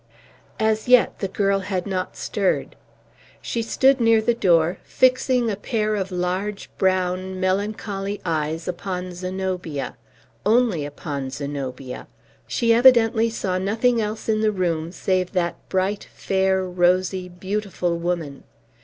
As yet the girl had not stirred. She stood near the door, fixing a pair of large, brown, melancholy eyes upon Zenobia only upon Zenobia! she evidently saw nothing else in the room save that bright, fair, rosy, beautiful woman.